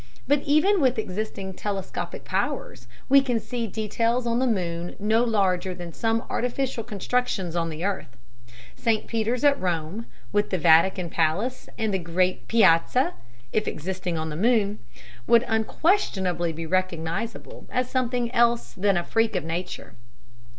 But even with existing telescopic powers we can see details on the moon no larger than some artificial constructions on the earth. St Peter's at Rome, with the Vatican palace and the great piazza, if existing on the moon, would unquestionably be recognizable as something else than a freak of nature.